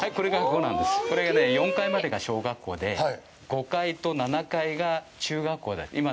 これがね、４階までが小学校で、５階と７階が中学校です。